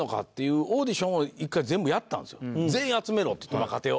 全員集めろって言って若手を。